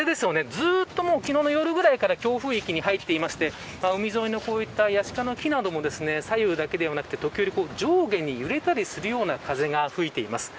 ずっと昨日の夜ぐらいから強風域に入っていまして海沿いのやし科の木なども左右だけではなく時折、上下に揺れたりするような風が吹いています。